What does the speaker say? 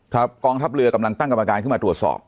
กองทัพเรือกำลังตั้งกรรมการขึ้นมาตรวจสอบ